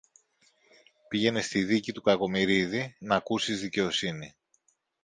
πήγαινε στη δίκη του Κακομοιρίδη, ν' ακούσεις δικαιοσύνη.